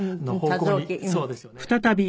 そうですよね。